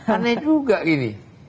aneh juga ini